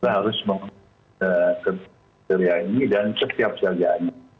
harus mengkerjakan ini dan setiap kerjaannya